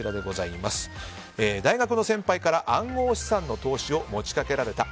大学の先輩から暗号資産の投資を持ちかけられた。